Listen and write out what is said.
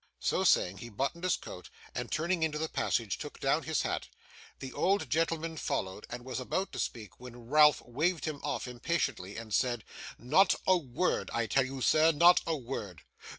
So saying, he buttoned his coat, and turning into the passage, took down his hat. The old gentleman followed, and was about to speak, when Ralph waved him off impatiently, and said: 'Not a word. I tell you, sir, not a word.